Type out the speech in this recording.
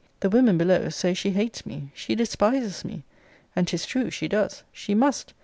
The women below say she hates me; she despises me! And 'tis true: she does; she must.